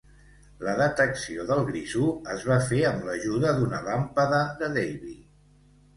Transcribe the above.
La detecció del grisú es va fer amb l"ajuda d'una làmpada de Davy.